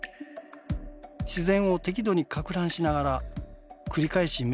自然を適度にかく乱しながら繰り返し恵みを得る。